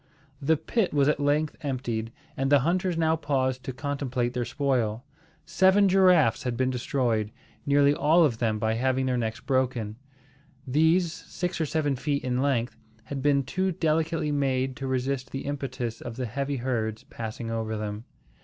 The pit was at length emptied; and the hunters now paused to contemplate their spoil. Seven giraffes had been destroyed, nearly all of them by having their necks broken. These, six or seven feet in length, had been too delicately made to resist the impetus of the heavy herds passing over them.